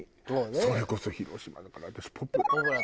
それこそ広島のだから私ポプラ。